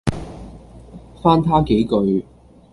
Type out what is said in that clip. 翻他幾句，